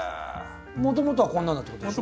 もともとはこんなだってことでしょ？